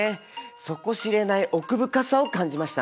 底知れない奥深さを感じました。